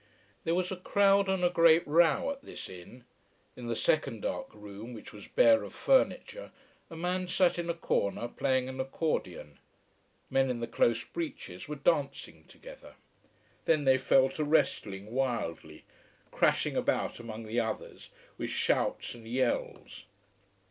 There was a crowd and a great row at this inn. In the second dark room, which was bare of furniture, a man sat in a corner playing an accordion. Men in the close breeches were dancing together. Then they fell to wrestling wildly, crashing about among the others, with shouts and yells.